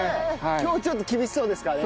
今日ちょっと厳しそうですかね。